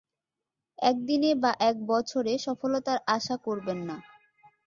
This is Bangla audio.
একদিনে বা এক বছরে সফলতার আশা করবেন না।